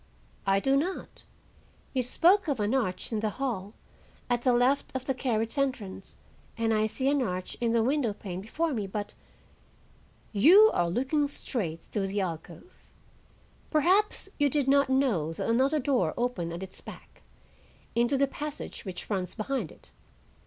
"I do not. You spoke of an arch in the hall, at the left of the carriage entrance, and I see an arch in the window pane before me, but—" "You are looking straight through the alcove,—perhaps you did not know that another door opened at its back,—into the passage which runs behind it.